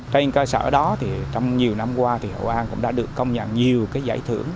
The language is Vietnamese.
trên cơ sở đó thì trong nhiều năm qua thì hội an cũng đã được công nhận nhiều giải thưởng